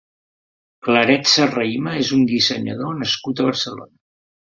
Claret Serrahima és un dissenyador nascut a Barcelona.